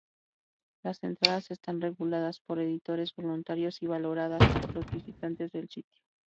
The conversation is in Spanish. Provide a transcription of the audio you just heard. Las entradas están reguladas por editores voluntarios y valoradas por los visitantes del sitio.